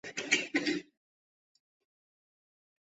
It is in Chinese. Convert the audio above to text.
是杭州市区通往萧山国际机场的重要通道。